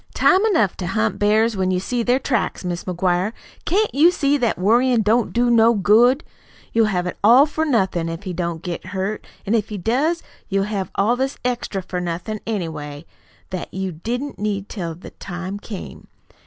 "Time enough to hunt bears when you see their tracks. Mis' McGuire, CAN'T you see that worryin' don't do no good? You'll have it ALL for nothin', if he don't get hurt; an' if he does, you'll have all this extra for nothin', anyway, that you didn't need till the time came.